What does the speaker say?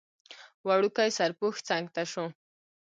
وړوکی سرپوښ څنګ ته شو.